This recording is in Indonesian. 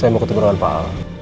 saya mau ketemu dengan pak ahok